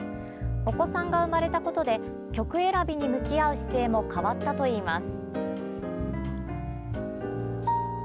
お子さんが生まれたことで曲選びに向き合う姿勢も変わったといいます。